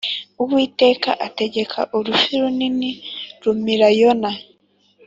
Uwiteka ategeka urufi runini rumira yohana